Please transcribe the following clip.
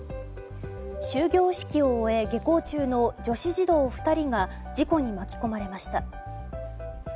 終業式を終え下校中の女子児童２人が事故に巻き込まれました。